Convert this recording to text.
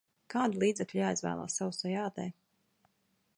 Kādi līdzekļi jāizvēlas sausai ādai?